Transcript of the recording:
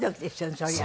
そりゃ。